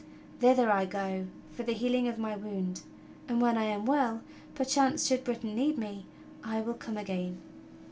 Thither I go for the healing of my wound; and when I am well, perchance, should Britain need me, I will come again.